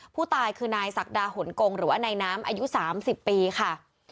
ผู้ตายคือนายศักดาหนกงหรือว่านายน้ำอายุ๓๐ปีค่ะ